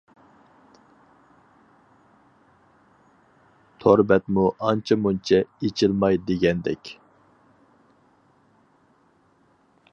تور بەتمۇ ئانچە مۇنچە ئېچىلماي دېگەندەك.